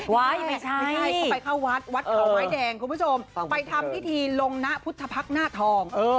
ไม่ใช่เขาไปเข้าวัดวัดเขาไม้แดงคุณผู้ชมไปทำพิธีลงนะพุทธพักหน้าทอง